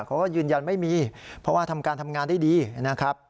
เขาก็ยืนยันไม่มีเพราะว่าทำการทำงานได้ดีนะครับ